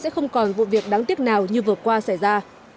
sẽ không còn vụ việc đáng tiếc nào như vừa qua xảy ra